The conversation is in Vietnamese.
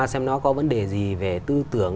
xem nó có vấn đề gì về tư tưởng